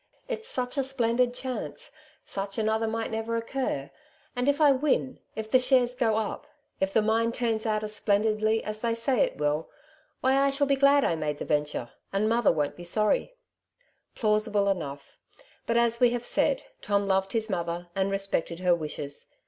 It's such a splendid chance; such another might never occur; and if I win — ^if the shares ' go up *— if the mine turns out as splendidly as they say it will — why, I shall be glad I made the venture, and mother won^t be sorry/' Plausible enough; but, as we have said, Tom loved his mother, and respected her wishes.